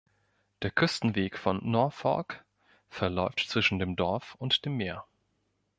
Der Küstenweg von Norfolk verläuft zwischen dem Dorf und dem Meer.